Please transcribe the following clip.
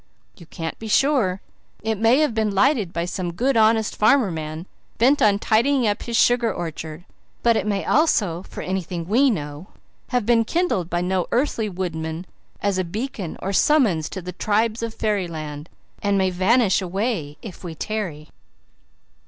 "You can't be sure. It may have been lighted by some good, honest farmer man, bent on tidying up his sugar orchard, but it may also, for anything we know, have been kindled by no earthly woodman as a beacon or summons to the tribes of fairyland, and may vanish away if we tarry."